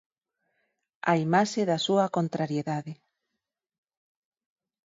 A imaxe da súa contrariedade.